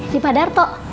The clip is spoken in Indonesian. di pak darto